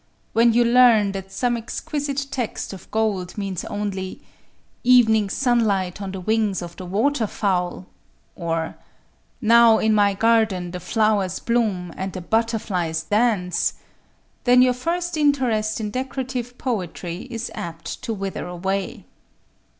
When you learn that some exquisite text of gold means only, "Evening sunlight on the wings of the water fowl,"—or,"Now in my garden the flowers bloom, and the butterflies dance,"—then your first interest in decorative poetry is apt to wither away.